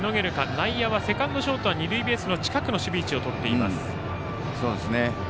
内野はセカンド、ショートは二塁ベースの近くの守備位置をとっています。